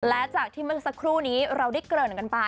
และจากที่เมื่อสักครู่นี้เราได้เกริ่นกันไป